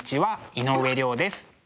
井上涼です。